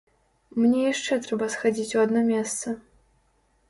Мне яшчэ трэба схадзіць у адно месца.